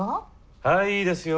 はいいいですよ。